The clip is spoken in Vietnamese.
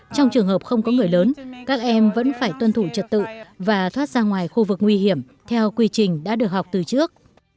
trong trường hợp không có người lớn các em vẫn phải tuân thủ trật tự và thoát ra ngoài khu vực nguy hiểm theo quy trình đã được học từ trước